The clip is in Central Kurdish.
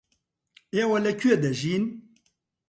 ئێوە لەکوێ دەژین؟